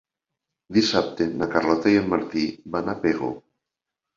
Dissabte na Carlota i en Martí van a Pego.